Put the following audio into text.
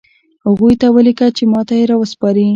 هغوی ته ولیکه چې ماته یې راوسپاري